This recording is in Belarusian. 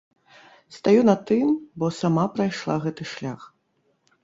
Стаю на тым, бо сама прайшла гэты шлях.